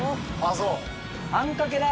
そう。